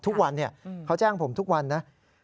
ทุกวันเขาแจ้งผมทุกวันนะ